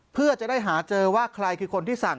เพื่อจะได้หาเจอว่าใครคือคนที่สั่ง